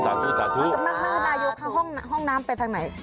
อายุทธ์ห้องน้ำเป็นทางไหน